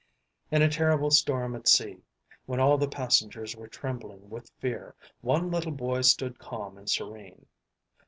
In a terrible storm at sea, when all the passengers were trembling with fear, one little boy stood calm and serene.